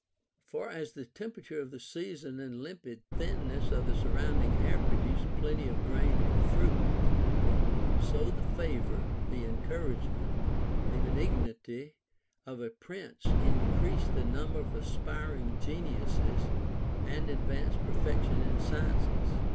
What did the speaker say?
For as the temperature of the season and limpid thinness of the surrounding air produce plenty of grain and fruit ; so the favor, the encouragement, and benignity of a prince increase the number of aspiring geniuses, and advance perfection in sciences.